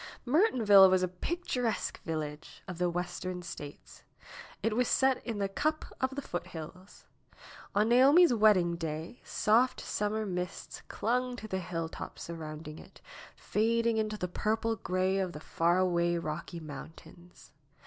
Mertonville was a picturesque village of the Western States. It was set in the cup of the foothills. On Naomi's wedding day soft summer mists clung to the hilltops surrounding it, fading into the purple gray of the far away Eocky Mountains.